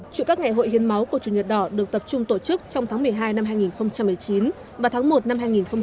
chủ các ngày hội hiến máu của chủ nhật đỏ được tập trung tổ chức trong tháng một mươi hai năm hai nghìn một mươi chín và tháng một năm hai nghìn hai mươi